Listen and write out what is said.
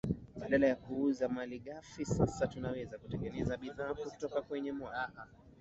Badala ya kuuza mali ghafi sasa tunaweza kutengeneza bidhaa kutoka kwenye mwani